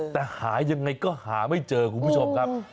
แต่หายังไงก็หาไม่เจอคุณผู้ชมครับ